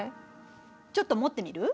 ちょっと持ってみる？